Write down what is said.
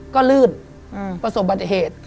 ก็ลื่นประสบบัติเหตุ